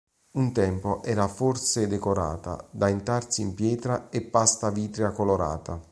In origine era forse decorata da intarsi in pietra e pasta vitrea colorata.